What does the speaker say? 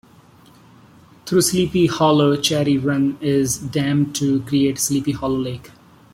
Through Sleepy Hollow, Cherry Run is dammed to create Sleepy Hollow Lake.